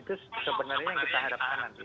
itu sebenarnya yang kita harapkan nanti